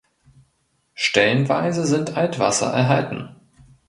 Stellenweise sind Altwasser erhalten.